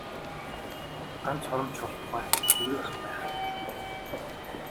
Ганц хором ч болтугай тэврэх байх гэж хүлээв.